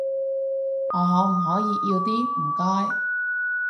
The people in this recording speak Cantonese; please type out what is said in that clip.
我可唔可以要啲，唔該？